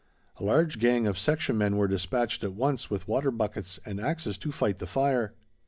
A large gang of section men were despatched at once with water buckets and axes to fight the fire.